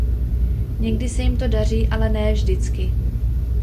Někdy se jim to daří, ale ne vždycky.